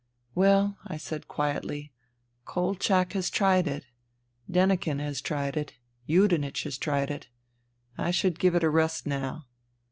"Well," I said quietly, " Kolchak has tried it. Denikin has tried it. Yudenich has tried it. I should give it a rest now."